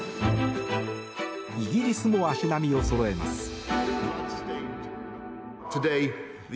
イギリスも足並みをそろえます。